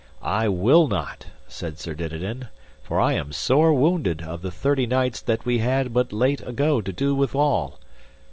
I will not, said Sir Dinadan, for I am sore wounded of the thirty knights that we had but late ago to do withal.